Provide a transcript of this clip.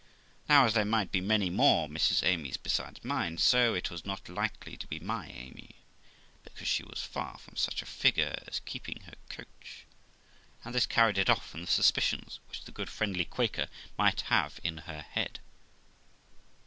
Now, as there might be many more Mrs Amys besides mine, so it was not likely to be my Amy, because she was far from such a figure as keeping her coach; and this carried it off from the suspicions which the good friendly Quaker might have in her head.